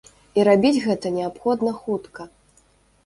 І рабіць гэта неабходна хутка.